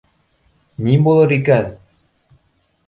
Ни булыр икән?